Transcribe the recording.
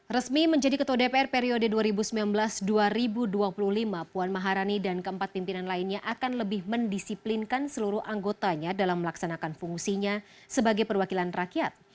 resmi menjadi ketua dpr periode dua ribu sembilan belas dua ribu dua puluh lima puan maharani dan keempat pimpinan lainnya akan lebih mendisiplinkan seluruh anggotanya dalam melaksanakan fungsinya sebagai perwakilan rakyat